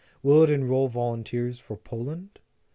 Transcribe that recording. Will it enroll volunteers for Poland?